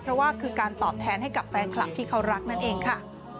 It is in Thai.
เพราะว่าคือการตอบแทนให้กับแฟนคลับที่เขารักนั่นเองค่ะ